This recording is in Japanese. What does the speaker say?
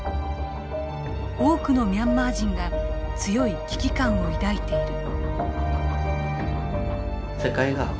多くのミャンマー人が強い危機感を抱いている。